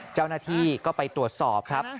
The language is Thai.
เจ้าหน้าที่ก็ไปตรวจสอบครับ